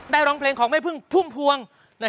ได้ร้องเพลงของไม่พึ่งพึ่งพวง